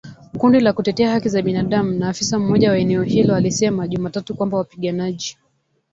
Kundi la kutetea haki za binadamu na afisa mmoja wa eneo hilo alisema Jumatatu kwamba wapiganaji